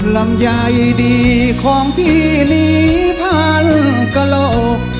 ลำใหญ่ดีของพี่นี้พันกะโลก